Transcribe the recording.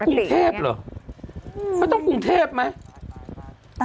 คุณเทพเหรอไม่ต้องคุณเทพแหละ